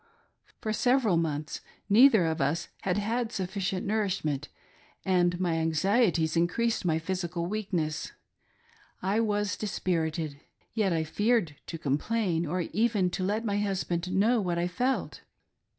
For several • months neither of us had had sufificient nourishment, and my anxieties increased my physical weakness ; I was dispirited, yet I feared to complain, or even to let my husband know what I felt.